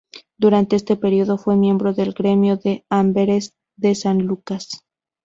Durante este período fue miembro del Gremio de Amberes de San Lucas.